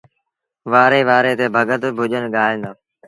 وآري وآري تي ڀڳت ڀُڄن ڳائيٚݩ دآ